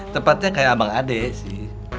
tepatnya kayak abang ade sih